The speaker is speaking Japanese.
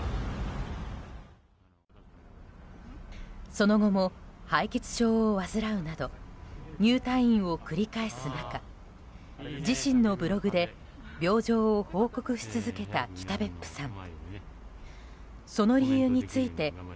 その後も、敗血症を患うなど入退院を繰り返す中自身のブログで病状を報告し続けた北別府さん。